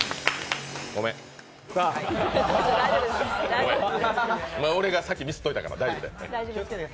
ごめん俺が先にミスっといたから大丈夫やで。